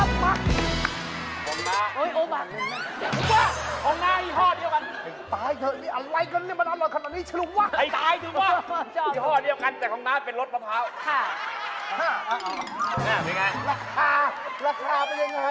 ราคาไปยังไง